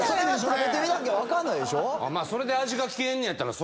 食べてみなきゃ分かんない。